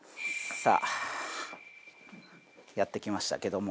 さあやってきましたけども。